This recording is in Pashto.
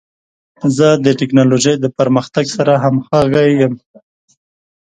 زه د ټکنالوژۍ د پرمختګ سره همغږی یم.